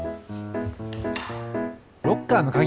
ロッカーのかぎ。